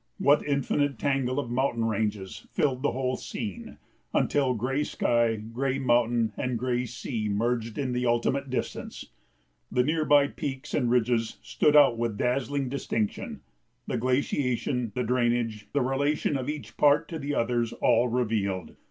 What infinite tangle of mountain ranges filled the whole scene, until gray sky, gray mountain, and gray sea merged in the ultimate distance! The near by peaks and ridges stood out with dazzling distinction, the glaciation, the drainage, the relation of each part to the others all revealed.